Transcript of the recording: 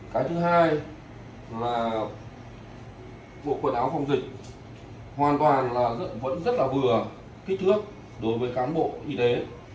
cái thứ hai là bộ quần áo phòng dịch hoàn toàn là vẫn rất là vừa kích thước đối với cán bộ y tế